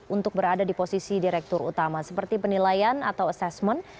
untuk berada di posisi direktur utama seperti penilaian atau assessment